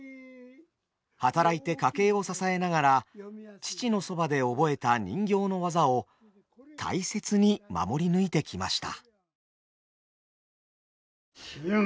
働いて家計を支えながら父のそばで覚えた人形の技を大切に守り抜いてきました。